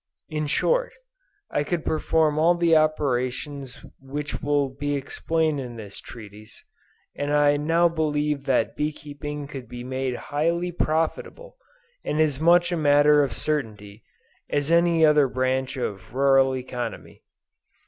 In short, I could perform all the operations which will be explained in this treatise, and I now believed that bee keeping could be made highly profitable, and as much a matter of certainty, as any other branch of rural economy.